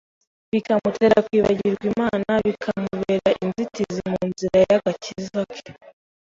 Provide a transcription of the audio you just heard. bikamutera kwibagirwa Imana, bikamubera inzitizi mu nzira y’agakiza ke.